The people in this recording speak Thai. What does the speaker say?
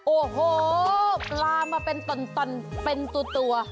โอ้โหปลามาเป็นต่อนเป็นตัว